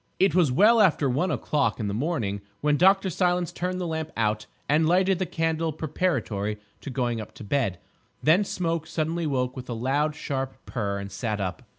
It was well after one o'clock in the morning when Dr. Silence turned the lamp out and lighted the candle preparatory to going up to bed. Then Smoke suddenly woke with a loud sharp purr and sat up.